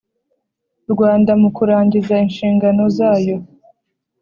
Rwanda mu kurangiza inshingano zayo